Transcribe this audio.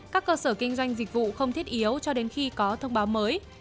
các cơ sở kinh doanh dịch vụ không thiết yếu cho đến khi có thông báo mới